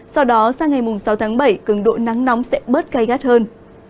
sau đó sang ngày sáu tháng bảy cường độ nắng nóng sẽ bớt gai gắt hơn